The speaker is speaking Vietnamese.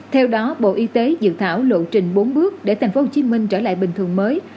theo đó bộ y tế dự thảo lộ trình bốn bước để tp hcm trở lại bình thường mới